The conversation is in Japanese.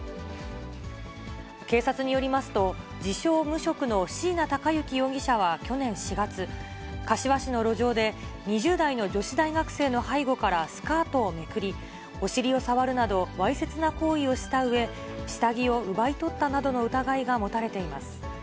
警察によりますと、自称無職の椎名孝之容疑者は、去年４月、柏市の路上で、２０代の女子大学生の背後からスカートをめくり、お尻を触るなど、わいせつな行為をしたうえ、下着を奪い取ったなどの疑いが持たれています。